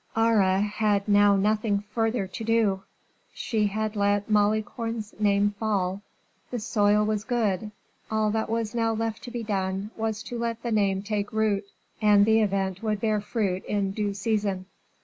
Aure had now nothing further to do; she had let Malicorne's name fall; the soil was good; all that was now left to be done was to let the name take root, and the event would bear fruit in due season.